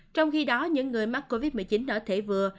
trong khi đó những người mắc covid một mươi chín ở thể vừa